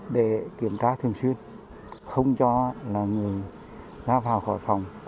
để kiểm tra thường xuyên không cho là người ra khỏi phòng